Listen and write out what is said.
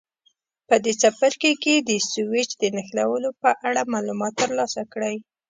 په دې څپرکي کې د سویچ د نښلولو په اړه معلومات ترلاسه کړئ.